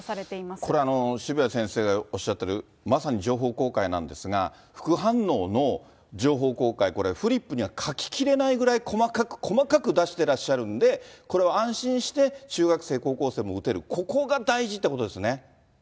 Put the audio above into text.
これ、渋谷先生がおっしゃってる、まさに情報公開なんですが、副反応の情報公開、これ、フリップには書ききれないぐらい細かく細かく出してらっしゃるんで、これは安心して中学生、高校生も打てる、ここが大事っていうことですね。